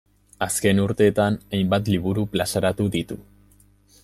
Azken urteetan hainbat liburu plazaratu ditu.